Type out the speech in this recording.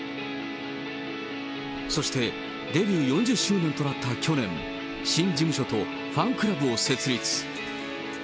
そしてデビュー４０周年となった去年、新事務所とファンクラブを設立。